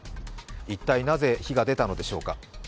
一体なぜ火が出たのでしょうか。